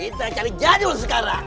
kita cari jadul sekarang